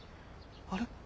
あれ？